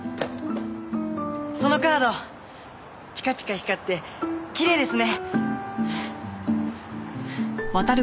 そのカードピカピカ光ってきれいですね。